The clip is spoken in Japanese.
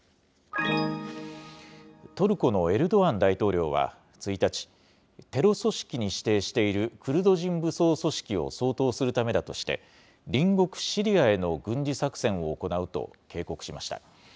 トルコのエルドアン大統領は１日、テロ組織に指定しているクルド人武装組織を掃討するためだとして、隣国シリアへの軍事作戦を行うと警告しました。